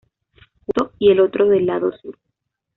Justo y el otro del lado sur.